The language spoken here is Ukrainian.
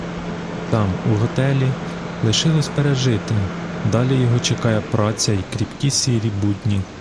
Там, у готелі, лишилось пережите; далі його чекає праця й кріпкі сірі будні.